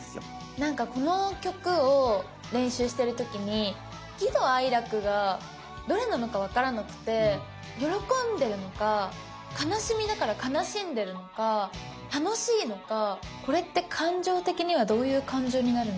なんかこの曲を練習してる時に喜怒哀楽がどれなのか分からなくて喜んでるのか悲しみだから悲しんでるのか楽しいのかこれって感情的にはどういう感情になるんですかね？